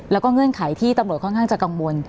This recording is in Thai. แล้วก็เงื่อนไขที่ตำรวจค่อนข้างจะกังวล